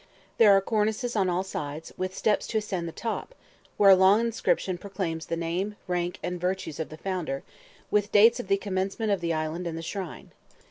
There are cornices on all sides, with steps to ascend to the top, where a long inscription proclaims the name, rank, and virtues of the founder, with dates of the commencement of the island and the shrine.